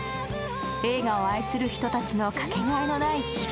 映画を愛する人たちのかけがえのない日々。